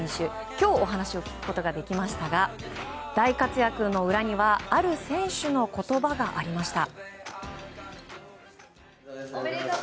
今日、お話を聞くことができましたが、大活躍の裏にはある選手の言葉がありました。